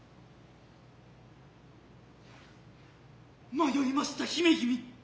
迷ひました姫君。